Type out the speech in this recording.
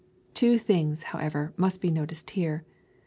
Two things, however, must be noticed here.